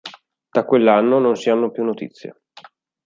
Da quell'anno non si hanno più notizie.